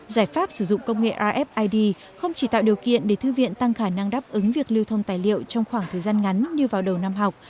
giải pháp sử dụng công nghệ rfid không chỉ tạo điều kiện để thư viện tăng khả năng đáp ứng việc lưu thông tài liệu trong khoảng thời gian ngắn như vào đầu năm học